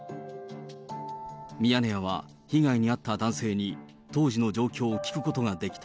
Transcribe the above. ミヤネ屋は、被害に遭った男性に当時の状況を聞くことができた。